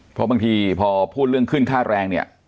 เพราะบางทีพอพูดเรื่องขึ้นค่าแรงเนี่ย